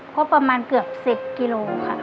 ก็ประมาณเกือบ๑๐กิโลค่ะ